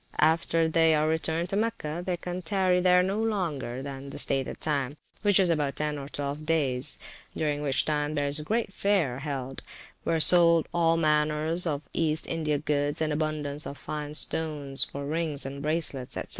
After they are returned to Mecca, they can tarry there no longer than the stated time, which is about ten or twelve days; during which time there is a great fair held, where are sold all manner of East India goods, and abundance of fine stones for rings and bracelets, &c.